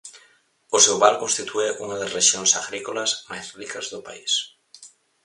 O seu val constitúe unha das rexións agrícolas máis ricas do país.